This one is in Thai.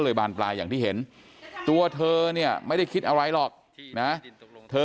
บานปลายอย่างที่เห็นตัวเธอเนี่ยไม่ได้คิดอะไรหรอกนะเธอ